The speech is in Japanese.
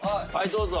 どうぞ。